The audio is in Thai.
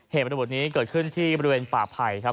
เหตุระเบิดนี้เกิดขึ้นที่บริเวณป่าไผ่ครับ